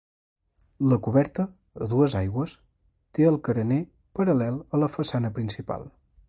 La coberta, a dues aigües, té el carener paral·lel a la façana principal.